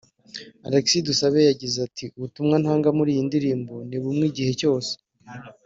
Alexis Dusabe yagize ati’’ Ubutumwa ntanga mu ndirimbo ni bumwe igihe cyose